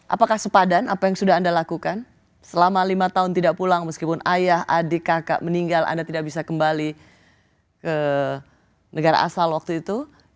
apakah sepadan apa yang sudah anda lakukan selama lima tahun tidak pulang meskipun ayah adik kakak meninggal anda tidak bisa kembali ke negara asal waktu itu